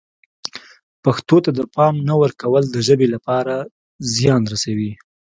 پښتو ته د پام نه ورکول د ژبې لپاره زیان رسوي.